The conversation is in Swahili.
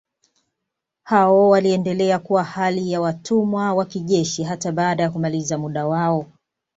Hao waliendelea kuwa hali ya watumwa wa kijeshi hata baada ya kumaliza muda wao.